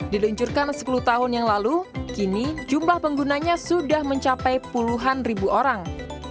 diluncurkan sepuluh tahun yang lalu kini jumlah penggunanya sudah mencapai puluhan ribu orang